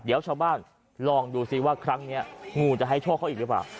เดี๋ยวชาวบ้านลองดูซิว่าครั้งนี้งูจะให้โชคเขาอีกหรือเปล่า